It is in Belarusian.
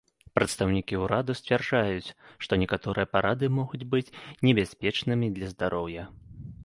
Прадстаўнікі ўраду сцвярджаюць, што некаторыя парады могуць быць небяспечнымі для здароўя.